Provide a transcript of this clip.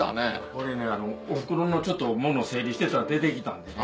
これねおふくろの物整理してたら出てきたんでね。